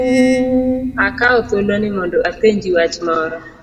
Akawo thuolo ni mondo apenji wach moro.